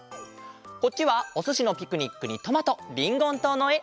こっちは「おすしのピクニック」に「トマト」「リンゴントウ」のえ。